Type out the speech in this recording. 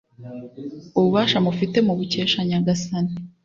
ububasha mufite mubukesha nyagasani